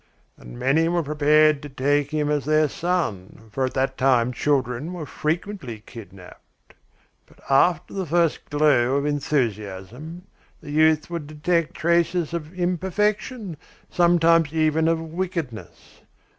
"And many were prepared to take him as their son, for at that time children were frequently kidnapped. But after the first glow of enthusiasm, the youth would detect traces of imperfection, sometimes even of wickedness.